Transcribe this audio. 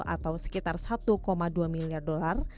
atau sekitar satu dua miliar dolar